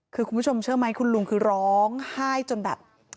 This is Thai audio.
คือคุณผู้ชมเชื่อไหมคุณลุงคือร้องไห้จนแบบ